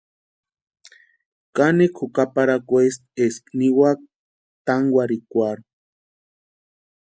Kanikwa jukaparhakwaesti eska ninhaaka tánkwarhikwarhu.